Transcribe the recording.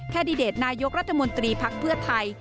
แดดิเดตนายกรัฐมนตรีพักเพื่อไทย